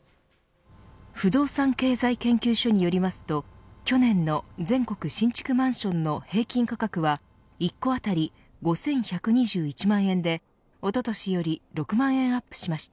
不動産経済研究所によりますと去年の全国新築マンションの平均価格は１戸当たり５１２１万円でおととしより６万円アップしました。